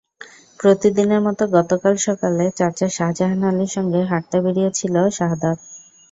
প্রতিদিনের মতো গতকাল সকালে চাচা শাহজাহান আলীর সঙ্গে হাঁটতে বেরিয়েছিল শাহাদাত।